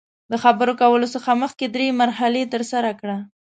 د خبرو کولو څخه مخکې درې مرحلې ترسره کړه.